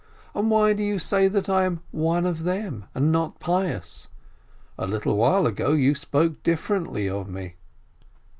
And why do you say that I am 'one of them,' and not pious? A little while ago you spoke differently of me."